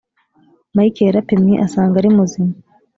mike yarapimwe asanga arimuzima